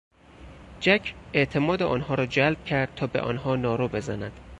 جک اعتماد آنها را جلب کرد تا به آنها نارو بزند.